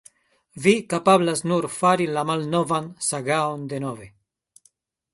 Vi kapablas nur fari la malnovan sagaon denove.